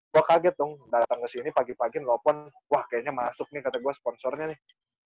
gue kaget dong datang ke sini pagi pagi nelfon wah kayaknya masuk nih kata gue sponsornya nih